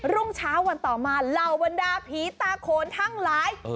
รุ่งเช้าวันต่อมาเหล่าบรรดาผีตาโขนทั้งหลาย